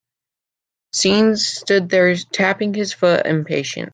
Sean stood there tapping his foot impatiently.